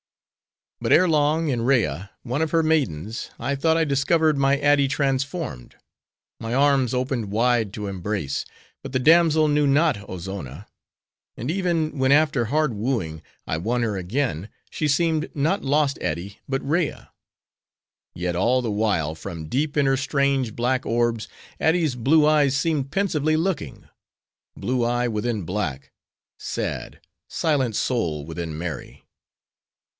But ere long, in Rea, one of her maidens, I thought I discovered my Ady transformed. My arms opened wide to embrace; but the damsel knew not Ozonna. And even, when after hard wooing, I won her again, she seemed not lost Ady, but Rea. Yet all the while, from deep in her strange, black orbs, Ady's blue eyes seemed pensively looking:—blue eye within black: sad, silent soul within merry.